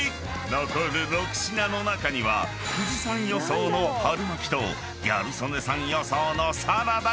［残る６品の中には藤さん予想の春巻きとギャル曽根さん予想のサラダが］